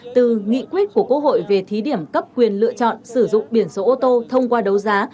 từ nghị quyết của quốc hội về thí điểm cấp quyền lựa chọn sử dụng biển số ô tô thông qua đấu giá